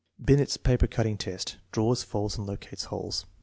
Binet's paper cutting test. (Draws, folds, and locates holes.)